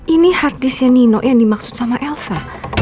ini hardisknya nino yang dimaksud sama elsa